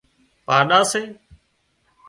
پاڏا سي